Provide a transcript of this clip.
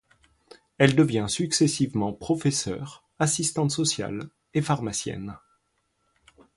Elle devient successivement professeur, assistante sociale et pharmacienne.